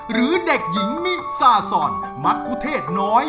หรือเด็กหญิงมิซาซอนมักคุเทศน้อย